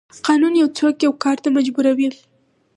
قانون یو څوک یو کار ته مجبوروي.